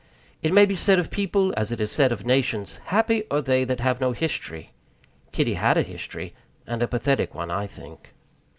It may be said of people, as it is said of nations, "Happy are they that have no history." Kitty had a history, and a pathetic one, I think.